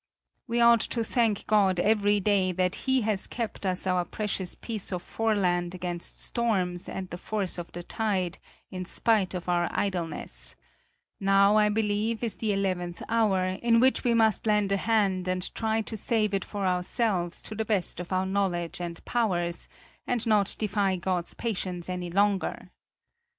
We ought to thank God every day that He has kept us our precious piece of foreland against storms and the force of the tide, in spite of our idleness; now, I believe, is the eleventh hour, in which we must lend a hand and try to save it for ourselves to the best of our knowledge and powers, and not defy God's patience any longer.